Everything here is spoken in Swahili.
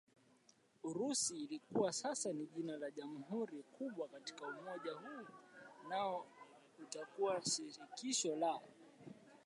Urusi lilikuwa sasa jina la jamhuri kubwa katika umoja huu nao ukaitwa Shirikisho la